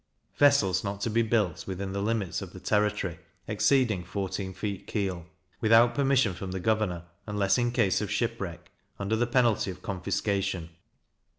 Vessels not to be built within the limits of the territory, exceeding 14 feet keel, without permission from the governor (unless in case of shipwreck), under the penalty of confiscation.